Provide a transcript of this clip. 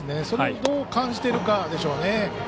それをどう感じているかでしょうね。